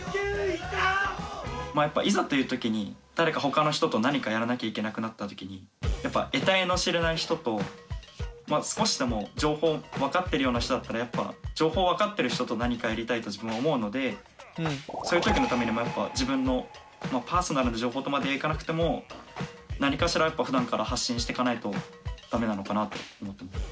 やっぱいざという時に誰か他の人と何かやらなきゃいけなくなった時にやっぱえたいの知れない人と少しでも情報分かってるような人だったらやっぱ情報分かってる人と何かやりたいと自分は思うのでそういう時のためにもやっぱ自分のパーソナルな情報とまではいかなくても何かしらやっぱふだんから発信していかないと駄目なのかなと思ってます。